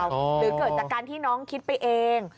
หรือเกิดจากการที่น้องคิดไปเอง